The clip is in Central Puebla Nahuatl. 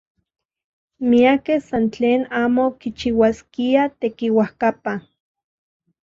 Miakej san tlen amo kichiuaskiaj tekiuajkapa.